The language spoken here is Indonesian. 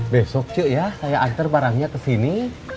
besok yuk ya saya antar barangnya ke sini